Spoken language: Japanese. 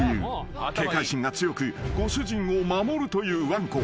［警戒心が強くご主人を守るというわんこ］